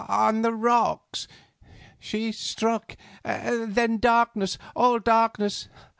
"On the rocks. She struck, then darkness, all darkness.